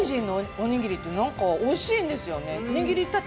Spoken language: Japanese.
オリジンのおにぎりってなんかおいしいんですよね。